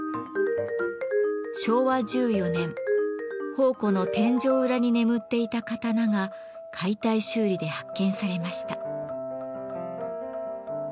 昭和１４年宝庫の天井裏に眠っていた刀が解体修理で発見されました。